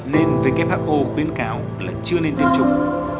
nên who khuyến cáo là chưa nên tiêm chủng